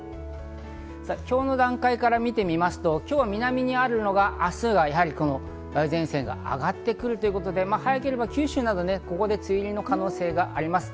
今日の段階から見てみますと、今日、南にあるのが明日はやはり梅雨前線が上がってくるということで、ここで九州などは梅雨入りの可能性があります。